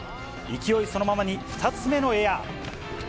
勢いそのままに２つ目のエア。